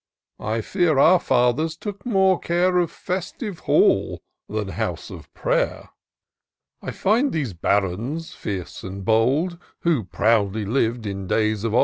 I fear our fathers took more care Of festive hall than house of prayer. I find these Barons fierce and bold. Who proudly liv'd in days of old.